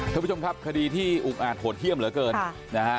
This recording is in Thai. ทุกผู้ชมครับคดีที่อุงอาจโหดเที่ยมเหลือเกิน